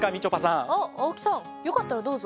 あっ青木さんよかったらどうぞ。